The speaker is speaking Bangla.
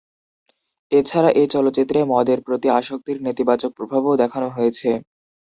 এছাড়া, এই চলচ্চিত্রে মদের প্রতি আসক্তির নেতিবাচক প্রভাবও দেখানো হয়েছে।